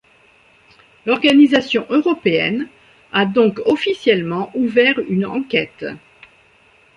L’organisation européenne a donc officiellement ouvert une enquête.